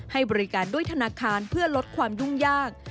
ให้บริการด้วยธนาคารเพื่อลดความยุ่งยาก